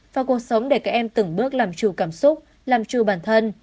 và cuộc sống để các em từng bước làm chủ cảm xúc làm trù bản thân